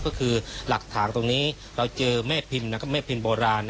ก็คือหลักฐานตรงนี้เราเจอแม่พิมพ์โบราณ